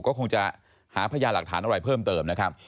ก็คงจะหาพยานหลักฐานอะไรเพิ่มเติมนะครับ